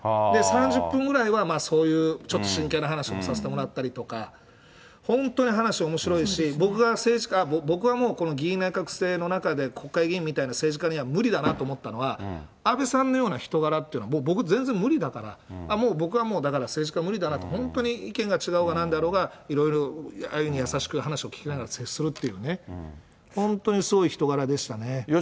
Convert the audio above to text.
３０分ぐらいはそういうちょっと真剣な話もさせてもらったりとか、本当に話おもしろいし、僕が、僕はもうこの議院内閣制の中で、国会議員みたいな政治家には無理だなと思ったのは、安倍さんのような人柄っていうのは、僕、全然無理だから、もう僕はもう、政治家無理だなと、本当に意見が違おうがなんだろうが、いろいろああいうふうに優しく話を聞きながら接するっていうね、本当にそういうお人柄でしたね。